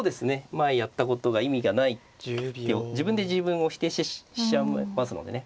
前やったことが意味がないって自分で自分を否定しちゃいますのでね。